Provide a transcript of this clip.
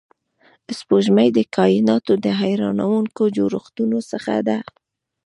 سپوږمۍ د کایناتو د حیرانونکو جوړښتونو څخه ده